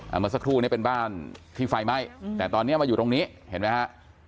เมื่อสักครู่นี้เป็นบ้านที่ไฟไหม้แต่ตอนนี้มาอยู่ตรงนี้เห็นไหมฮะ